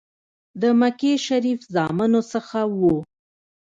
د مکې شریف زامنو څخه وو.